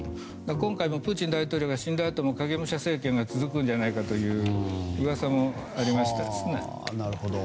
今回もプーチン大統領が死んだあと影武者政権が続くんじゃないかという噂もありましてですね。